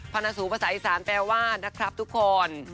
พนัสสูรภาษาอีสานแปลว่านะครับทุกคน